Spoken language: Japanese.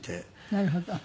なるほど。